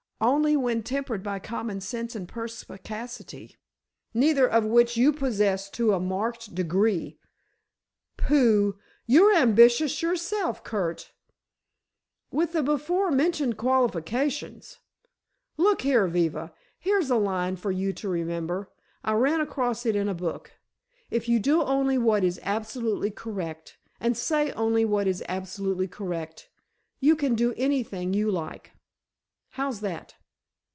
"Only when tempered by common sense and perspicacity—neither of which you possess to a marked degree." "Pooh! You're ambitious yourself, Curt." "With the before mentioned qualifications. Look here, Viva, here's a line for you to remember. I ran across it in a book. 'If you do only what is absolutely correct and say only what is absolutely correct—you can do anything you like.' How's that?"